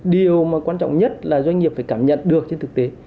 điều mà quan trọng nhất là doanh nghiệp phải cảm nhận được trên thực tế